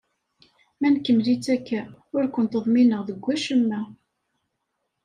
Ma nkemmel-itt akka, ur ken-ḍmineɣ deg wacemma.